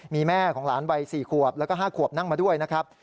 มีแม่ของหลานวัย๔ขวบแล้วก็๕ขวบนั่งมาด้วยนะครับ